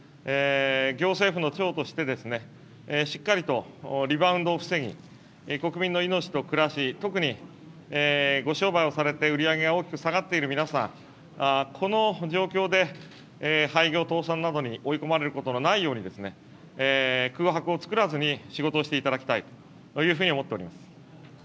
行政府の長として、しっかりとリバウンドを防ぎ、国民の命と暮らし、特にご商売をされて、売り上げが大きく下がっている皆さん、この状況で廃業、倒産などに追い込まれることのないように、空白を作らずに仕事をしていただきたいというふうに思っております。